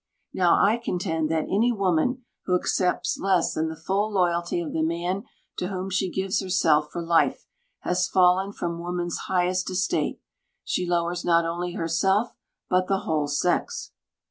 Now I contend that any woman who accepts less than the full loyalty of the man to whom she gives herself for life has fallen from woman's highest estate. She lowers not only herself, but the whole sex.